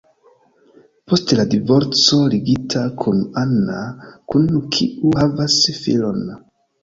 Post la divorco ligita kun Anna, kun kiu havas filon.